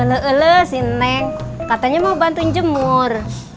ulu ulu si neng katanya mau bantuin jemur